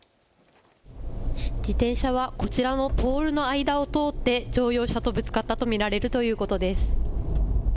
自転車はこちらのポールの間を通って乗用車とぶつかったと見られるということです。